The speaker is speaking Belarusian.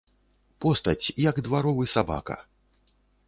Постаць, як дваровы сабака.